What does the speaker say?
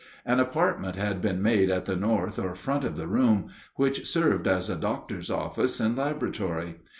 An apartment had been made at the north or front of the room, which served as a doctor's office and laboratory.